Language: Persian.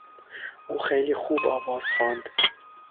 او خیلی خوب آواز خواند.